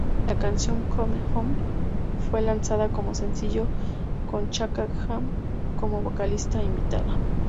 La canción "Come On" fue lanzada como sencillo, con Chaka Khan como vocalista invitada.